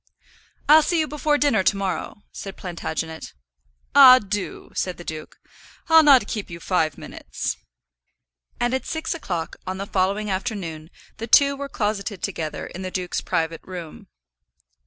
"I'll see you before dinner to morrow," said Plantagenet. "Ah, do," said the duke. "I'll not keep you five minutes." And at six o'clock on the following afternoon the two were closeted together in the duke's private room.